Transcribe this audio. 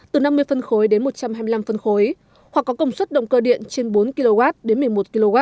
từ năm mươi phân khối đến một trăm hai mươi năm phân khối hoặc có công suất động cơ điện trên bốn kw đến một mươi một kw